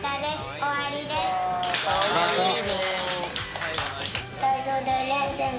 終わりです。